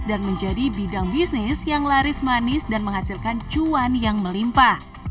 dan menjadi bidang bisnis yang laris manis dan menghasilkan cuan yang melimpa